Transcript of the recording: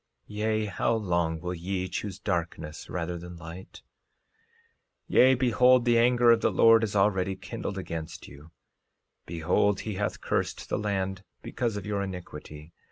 Yea, how long will ye choose darkness rather than light? 13:30 Yea, behold, the anger of the Lord is already kindled against you; behold, he hath cursed the land because of your iniquity.